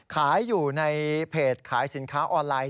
ขายอยู่ในเพจขายสินค้าออนไลน์